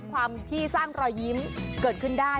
ความที่สร้างรอยยิ้มเกิดขึ้นได้